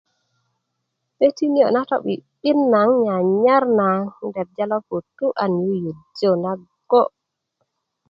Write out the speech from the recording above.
'döti niyo' na to'bi'bin na um nyarnyar na um 'derja loputu' an yuyurjö na go'